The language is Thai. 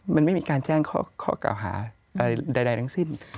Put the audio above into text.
มันไม่มีการแจ้งข้อกล่าวหาใดทั้งสิ้น